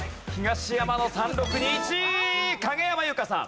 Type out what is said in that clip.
影山優佳さん。